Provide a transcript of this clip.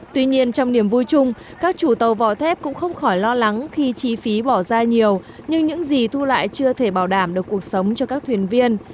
tuy nhiên trong niềm vui chung các chủ tàu vỏ thép cũng không khỏi lo lắng khi chi phí bỏ ra nhiều nhưng những gì thu lại chưa thể bảo đảm được cuộc sống cho các thuyền viên